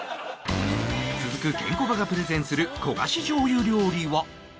続くケンコバがプレゼンする焦がし醤油料理は？